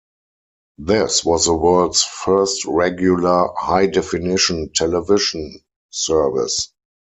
This was the world's first regular "high-definition" television service.